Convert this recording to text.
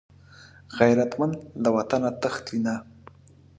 غیرتمند له وطنه تښتي نه